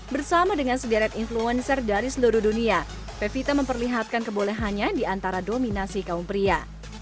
bersama dengan sederet influencer dari seluruh dunia pevita memperlihatkan kebolehannya di antara dominasi kaum pria